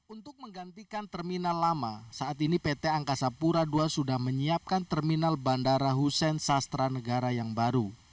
untuk menggantikan terminal lama saat ini pt angkasa pura ii sudah menyiapkan terminal bandara hussein sastra negara yang baru